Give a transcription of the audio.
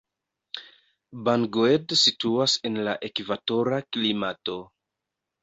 Bangued situas en la ekvatora klimato.